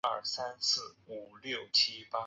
首府卢茨克。